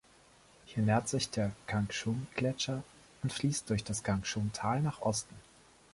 Hier nährt sich der Kangshung-Gletscher und fließt durch das Kangshung-Tal nach Osten.